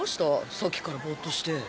さっきからボっとして。